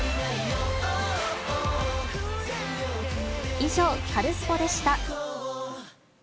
以上、カルスポっ！でした。